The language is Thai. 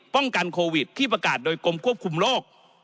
กันโควิดที่ประกาศโดยกรมควบคุมโรค